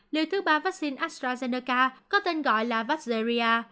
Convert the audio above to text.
liều thứ ba vaccine astrazeneca có tên gọi là vaseria